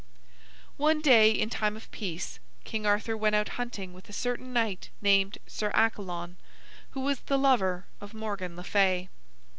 One day in time of peace, King Arthur went out hunting with a certain knight named Sir Accalon, who was the lover of Morgan le Fay.